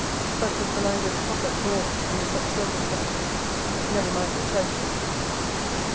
Such was the language proper to all under such circumstances: never mind their titles!